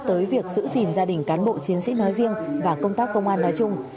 tới việc giữ gìn gia đình cán bộ chiến sĩ nói riêng và công tác công an nói chung